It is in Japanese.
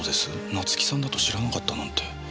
夏樹さんだと知らなかったなんて。